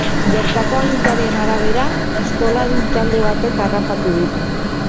Bertako agintarien arabera, pistoladun talde batek harrapatu ditu.